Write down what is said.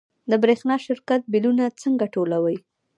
د برښنا شرکت بیلونه څنګه ټولوي؟